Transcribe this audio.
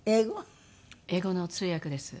英語の通訳です。